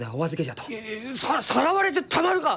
いやささらわれてたまるか！